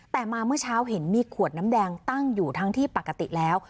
แต่มาเมื่อเช้าเห็นมีขวดน้ำแดงตั้งอยู่ทั้งที่ปกติแล้ว